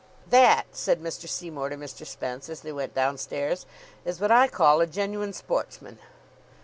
"That," said Mr. Seymour to Mr. Spence, as they went downstairs, "is what I call a genuine sportsman."